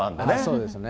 そうですね。